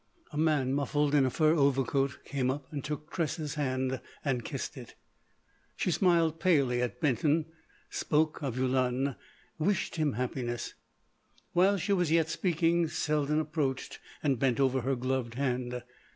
A man muffled in a fur overcoat came up and took Tressa's hand and kissed it. She smiled palely at Benton, spoke of Yulun, wished him happiness. While she was yet speaking Selden approached and bent over her gloved hand.